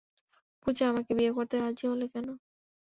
পূজা, আমাকে বিয়ে করতে, রাজি হলে কেন?